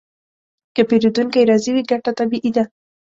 که پیرودونکی راضي وي، ګټه طبیعي ده.